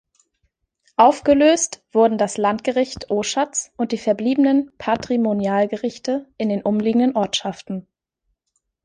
Aufgelöst wurden das Landgericht Oschatz und die verbliebenen Patrimonialgerichte in den umliegenden Ortschaften.